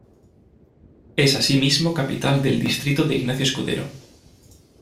Es asimismo capital del distrito de Ignacio Escudero.